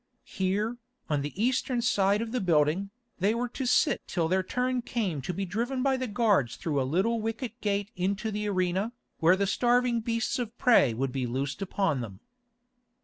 Here, on the eastern side of the building, they were to sit till their turn came to be driven by the guards through a little wicket gate into the arena, where the starving beasts of prey would be loosed upon them.